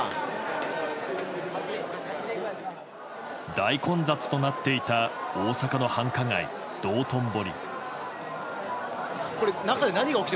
大混雑となっていた大阪の繁華街・道頓堀。